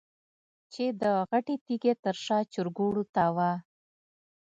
چې د غټې تيږې تر شا چرګوړو ته وه.